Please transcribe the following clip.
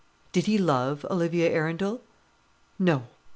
Did he love Olivia Arundel? No.